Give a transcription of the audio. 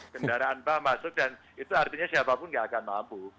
kendaraan bah masuk dan itu artinya siapapun nggak akan mampu